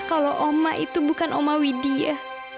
kalau mama itu bukan mama widia